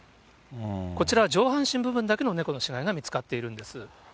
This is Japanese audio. こちらは上半身部分だけの猫の死骸が見つかっているんです。